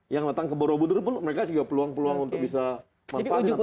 yang datang ke borobudur pun mereka juga peluang peluang untuk bisa manfaatin atau menjalinkan